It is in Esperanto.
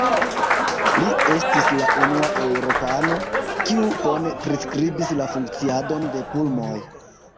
Li estis la unua eŭropano, kiu bone priskribis la funkciadon de pulmoj.